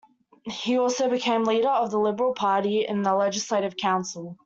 He also became leader of the Liberal Party in the Legislative Council.